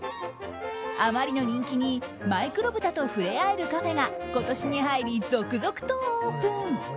あまりの人気にマイクロブタと触れ合えるカフェが今年に入り続々とオープン。